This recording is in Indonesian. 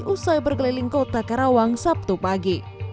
usai berkeliling kota karawang sabtu pagi